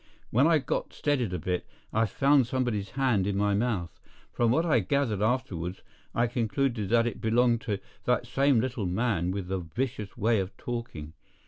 When I got steadied a bit, I found somebody's hand in my mouth. From what I gathered afterward, I concluded that it belonged to that same little man with the vicious way of talking.